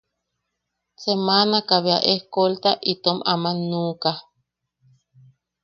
Semaanaka bea escolta itom aman nuʼuka.